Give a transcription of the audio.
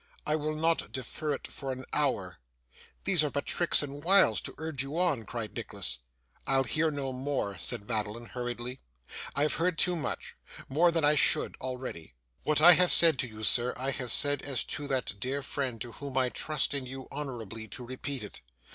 I will not defer it for an hour.' 'These are but tricks and wiles to urge you on,' cried Nicholas. 'I'll hear no more,' said Madeline, hurriedly; 'I have heard too much more than I should already. What I have said to you, sir, I have said as to that dear friend to whom I trust in you honourably to repeat it.